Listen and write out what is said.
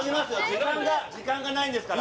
時間が時間がないんですから。